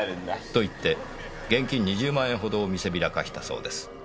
と言って現金２０万円ほどを見せびらかしたそうです。